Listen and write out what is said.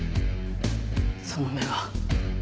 その目は。